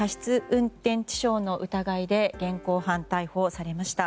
運転致傷の疑いで現行犯逮捕されました。